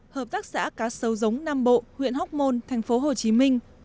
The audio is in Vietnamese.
hợp tác xã cá sấu giống nam bộ huyện hóc môn thành phố hồ chí minh